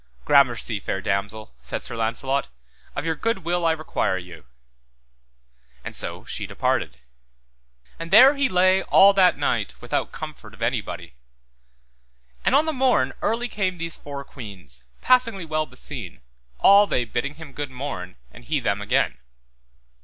Gramercy, fair damosel, said Sir Launcelot, of your good will I require you. And so she departed. And there he lay all that night without comfort of anybody. And on the morn early came these four queens, passingly well beseen, all they bidding him good morn, and he them again.